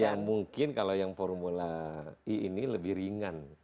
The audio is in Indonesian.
yang mungkin kalau yang formula e ini lebih ringan